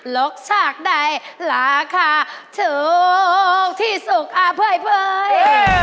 รกชักได้ราคาถูกที่สุขอ้าวเผย